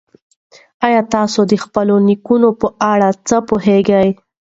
ایا تاسي د خپلو نیکونو په اړه څه پوهېږئ؟